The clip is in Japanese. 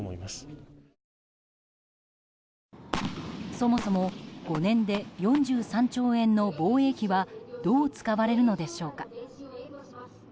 そもそも５年で４３兆円の防衛費はどう使われるのでしょうか。